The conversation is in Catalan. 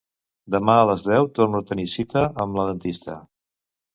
Demà a les deu torno a tenir cita amb la dentista